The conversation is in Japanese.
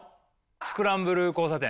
スクランブル交差点。